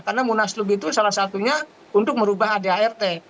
karena munasluk itu salah satunya untuk merubah adart